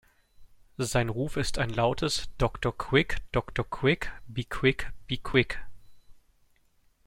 Sein Ruf ist ein lautes "doctor-quick doctor-quick be-quick be-quick".